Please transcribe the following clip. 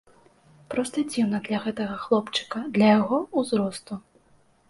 Проста дзіўна для гэтага хлопчыка, для яго ўзросту.